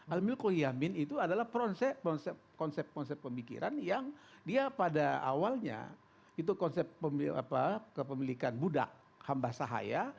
al milkoyamin itu adalah konsep konsep pemikiran yang dia pada awalnya itu konsep kepemilikan buddha hamba sahaya